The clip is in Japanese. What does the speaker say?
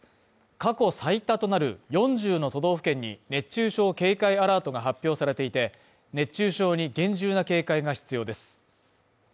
過去最多となる４０の都道府県に熱中症警戒アラートが発表されていて熱中症に厳重な警戒が必要です